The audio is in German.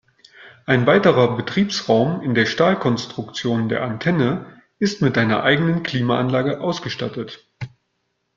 Ein weiterer Betriebsraum in der Stahlkonstruktion der Antenne ist mit einer eigenen Klimaanlage ausgestattet.